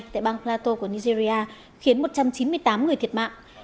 tại bang plato của nigeria khiến một trăm chín mươi tám người thiệt mạng